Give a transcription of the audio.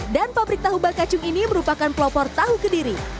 dan pabrik tahu bakacung ini merupakan pelopor tahu ke diri